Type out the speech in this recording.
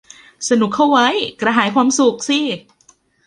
สนุกเข้าไว้ กระหายความสุขสิ